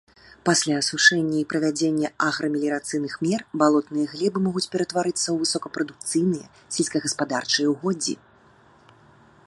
Пасля асушэння і правядзення аграмеліярацыйных мер балотныя глебы могуць ператварацца ў высокапрадукцыйныя сельскагаспадарчыя ўгоддзі.